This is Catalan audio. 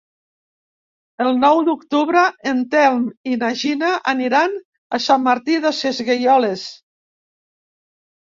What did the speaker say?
El nou d'octubre en Telm i na Gina aniran a Sant Martí Sesgueioles.